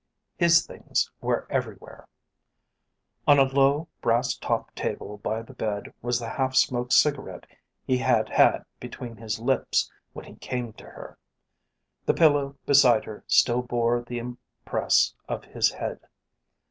His things were everywhere. On a low, brass topped table by the bed was the half smoked cigarette he had had between his lips when he came to her. The pillow beside her still bore the impress of his head.